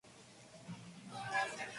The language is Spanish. Sus guitarras son vendidas en todo el mundo.